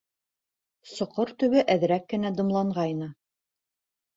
Соҡор төбө әҙерәк кенә дымланғайны.